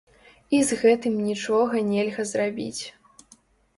І з гэтым нічога нельга зрабіць.